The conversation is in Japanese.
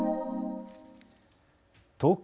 東京